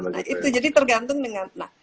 nah itu jadi tergantung dengan